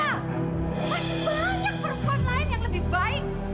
masih banyak perempuan lain yang lebih baik